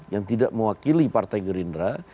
yang tidak mewakili partai gerindra